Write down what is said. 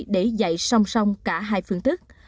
để dạy song song cả hai phương tức